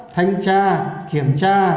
thanh tra kiểm tra